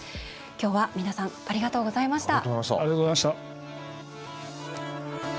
きょうは皆さんありがとうございました。